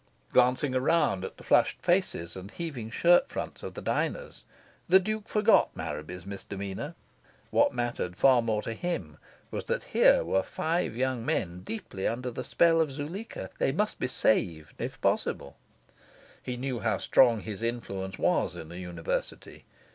Gazing around at the flushed faces and heaving shirt fronts of the diners, the Duke forgot Marraby's misdemeanour. What mattered far more to him was that here were five young men deeply under the spell of Zuleika. They must be saved, if possible. He knew how strong his influence was in the University.